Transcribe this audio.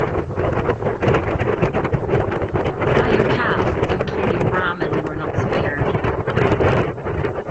Higher castes including Brahmin were not spared.